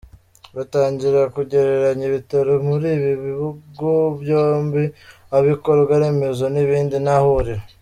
Batangira kugereranya ibitaro muri ibi bihugu byombi, ibikorwa remezo, n’ibindi, nta huriro.